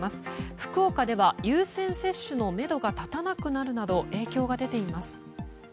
福岡では、優先接種のめどが立たなくなるなど影響が出ています。